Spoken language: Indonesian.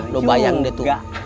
lo bayangin deh tuh